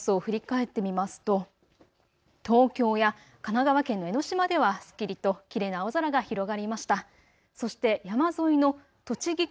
まずきょうの空の様子を振り返ってみますと東京や神奈川県の江の島ではすっきりときれいな青空が広がりました。